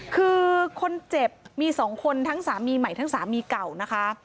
คือคนเจ็บมี๒คนทั้งสามีใหม่ทั้งสามีเก่านะคะ